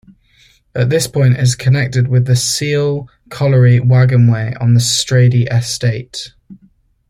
At this point it connected with the Cille Colliery waggonway on the Stradey Estate.